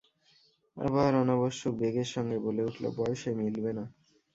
আবার অনাবশ্যক বেগের সঙ্গে বলে উঠল, বয়সে মিলবে না।